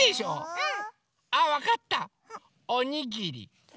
うん。